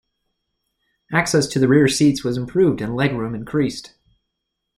Access to the rear seats was improved and leg-room increased.